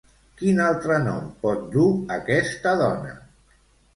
Quin altre nom pot dur aquesta dona?